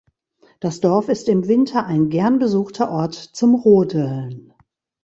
Das Dorf ist im Winter ein gern besuchter Ort zum Rodeln.